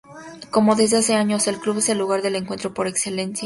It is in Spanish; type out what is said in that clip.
Como desde hace años, el Club es el lugar de encuentro por excelencia.